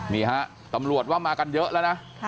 นี่ฮะตำรวจว่ามากันเยอะแล้วนะ